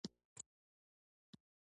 پړانګ د خطر پر وړاندې مقاومت کوي.